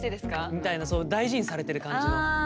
みたいな大事にされてる感じの。